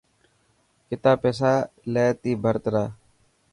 ڪتا پيسا لي تي ڀرت را.